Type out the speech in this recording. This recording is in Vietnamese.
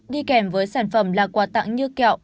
đi kèm với sản phẩm là quà tặng như kẹo